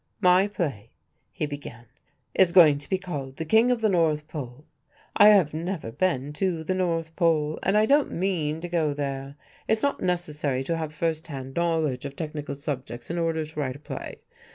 "My play," he began, "is going to be called 'The King of the North Pole.' I have never been to the North Pole, and I don't mean to go there. It's not necessary to have first hand knowledge of technical subjects in order to write a play.